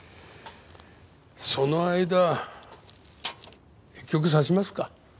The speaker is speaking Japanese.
その間一局指しますか。